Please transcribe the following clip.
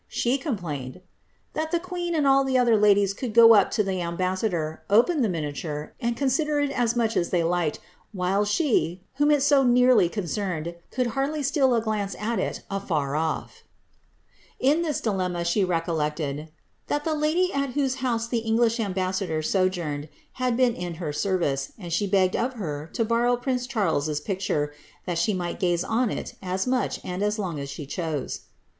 She complained ^^ that the queen and all the other ladies could go up to the ambassador, open the miniature, and consider it as much > Disraeli, p. 97. * Disraeli's Commentaries. BBNSIBTTA MARIA. 15 M they liked, while she, whom it so nearly concerned, conld hardly tfteal a glance at it afiur ofT." In this dilemma she recollected ^' that the lady at whose house the English ambassador sojourned, had been in her service, and she begged of her to borrow prince Charles's picture, that she might gaze on it as much and as long as she chose."